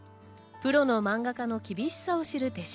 プロのマンガ家の厳しさを知る手島。